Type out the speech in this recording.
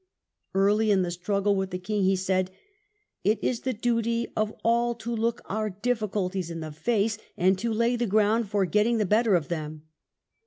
Early in the struggle with the King, he said, " It is the duty of all to look our difficulties in the face and to lay the ground for getting the better of them."